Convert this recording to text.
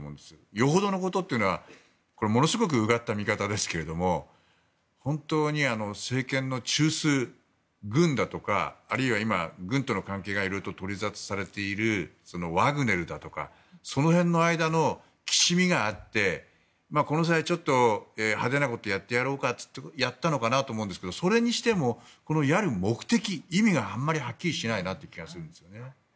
よほどのことというのはものすごくうがった見方ですけど本当に政権の中枢、軍だとかあるいは今、軍との関係が色々と取り沙汰されているワグネルだとかその辺の間のきしみがあってこの際、ちょっと派手なことをやってやろうかといってやったのかと思うんですがそれにしても、やる目的、意味があまりはっきりしないなという感じがしますね。